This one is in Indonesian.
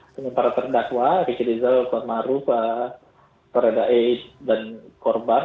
penumpar terdakwa ferdis hambel kuat ma'ruf ferdis hambel dan korban